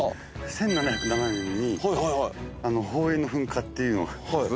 １７０７年に宝永の噴火っていうのが。